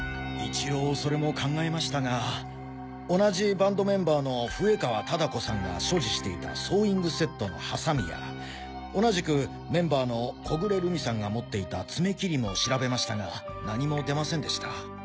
一応それも考えましたが同じバンドメンバーの笛川唯子さんが所持していたソーイングセットのハサミや同じくメンバーの小暮留海さんが持っていた爪切りも調べましたが何も出ませんでした。